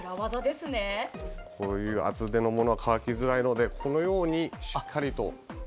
こういう厚手のものは乾きづらいので、しっかりと。